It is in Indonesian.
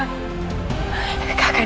dinda subang lara